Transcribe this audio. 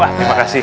wah terima kasih